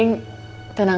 ini buat kalian